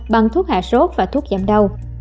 bằng thuốc hạ sốt và thuốc giảm đau